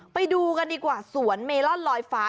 ไปดูกันดีกว่าสวนเมลอนลอยฟ้า